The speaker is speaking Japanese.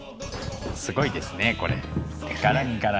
すごいですねこれ柄柄の。